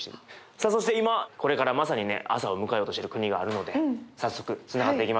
さあそして今これからまさにね朝を迎えようとしている国があるので早速つながっていきましょう。